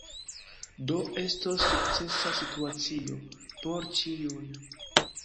Do estos sukcesa situacio por ĉiuj.